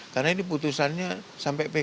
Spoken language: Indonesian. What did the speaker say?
karena ini putusannya sampai pk loh